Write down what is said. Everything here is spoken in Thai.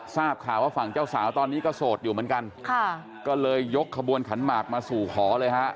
ทราบข่าวว่าฝั่งเจ้าสาวตอนนี้ก็โสดอยู่เหมือนกันค่ะก็เลยยกขบวนขันหมากมาสู่ขอเลยฮะ